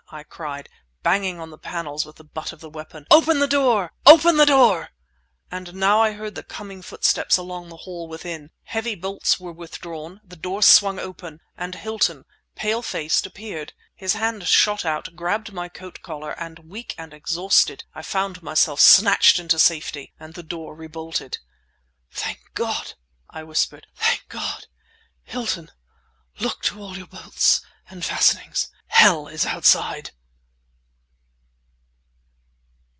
I cried, banging on the panels with the butt of the weapon. "Open the door! Open the door!" And now I heard the coming footsteps along the hall within; heavy bolts were withdrawn—the door swung open—and Hilton, pale faced, appeared. His hand shot out, grabbed my coat collar; and weak, exhausted, I found myself snatched into safety, and the door rebolted. "Thank God!" I whispered. "Thank God! Hilton, look to all your bolts and fastenings. Hell is outside!"